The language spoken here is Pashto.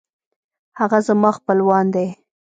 هغه زما خپلوان دی